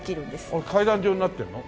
あれ階段状になってるの？